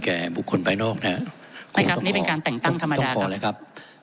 แก่บุคคลไปนอกนะครับคุณต้องขอต้องขอแล้วครับ